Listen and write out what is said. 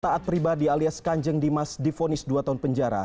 taat pribadi alias kanjeng dimas difonis dua tahun penjara